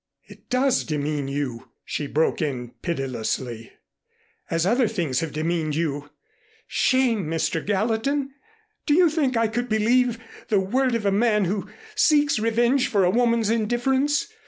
"It does demean you," she broke in pitilessly, "as other things have demeaned you. Shame, Mr. Gallatin! Do you think I could believe the word of a man who seeks revenge for a woman's indifference?